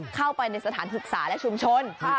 เข้าไปในสถานศึกษาและชุมชน